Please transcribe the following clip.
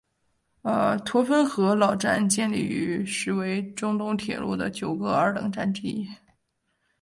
绥芬河老站建立成时为中东铁路的九个二等站之一。